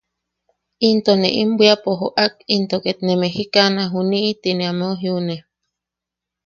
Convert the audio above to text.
Into “ne im bwiapo jo’ak into ket ¡ne mejikana juni’i!” ti ne ameu jiune.